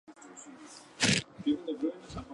La cuarta parte de los pacientes manifiestan sordera.